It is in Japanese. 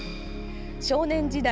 少年時代